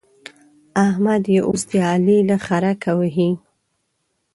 احمد يې اوس د علي له خرکه وهي.